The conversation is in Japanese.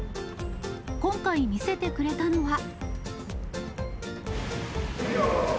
今回、見せてくれたのは。